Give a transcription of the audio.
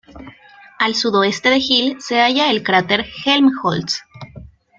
Al sudoeste de Gill se halla el cráter Helmholtz.